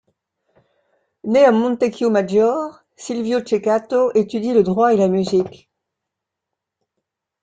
Né à Montecchio Maggiore, Silvio Ceccato étudie le droit et la musique.